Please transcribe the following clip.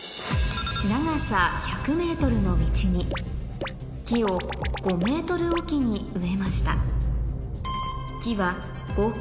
長さ１００ｍの道に木を５ｍおきに植えました